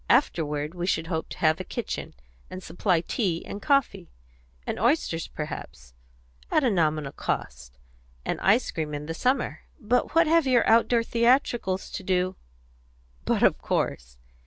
Afterward we should hope to have a kitchen, and supply tea and coffee and oysters, perhaps at a nominal cost; and ice cream in the summer." "But what have your outdoor theatricals to do But of course.